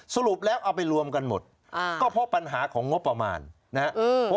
สรุปแล้วเอาไปรวมกันหมดก็เพราะปัญหาของงบประมาณนะครับ